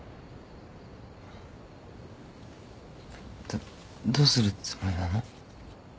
どっどうするつもりなの？